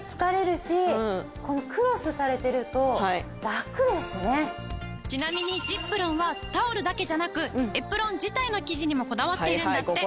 ザキさんちなみにｚｉｐｒｏｎはタオルだけじゃなくエプロン自体の生地にもこだわっているんだって。